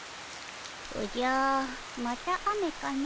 おじゃまた雨かの。